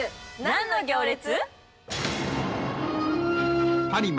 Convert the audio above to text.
何の行列？